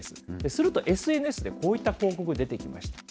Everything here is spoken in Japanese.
すると、ＳＮＳでこういった広告、出てきました。